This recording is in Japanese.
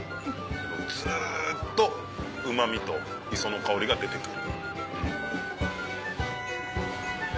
ずっとうま味と磯の香りが出て来る。